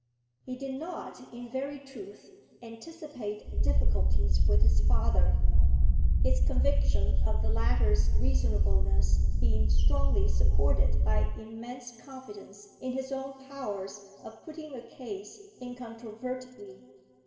He did not, in very truth, anticipate difficulties with his father, his conviction of the latter's reasonableness being strongly supported by immense confidence in his own powers of putting a case incontrovertibly.